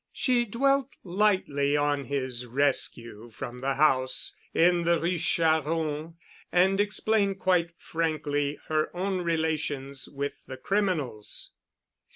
She dwelt lightly on his rescue from the house in the Rue Charron and explained quite frankly her own relations with the criminals.